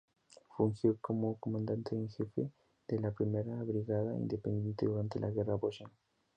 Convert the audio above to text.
Fungió como comandante en jefe de la Primera Brigada Independiente durante la Guerra Boshin.